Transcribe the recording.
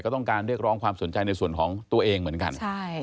ก็ต้องการเรียกร้องความสนใจในส่วนของตัวเองเหมือนกัน